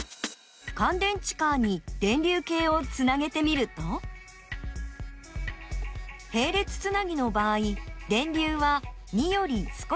かん電池カーに電流計をつなげてみるとへい列つなぎの場合電流は２より少し小さくなっています。